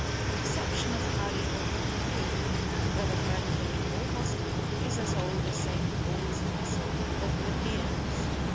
A perception of the value of a review, whether friendly or hostile, is as old as St. Paul's Epistle to the Philippians.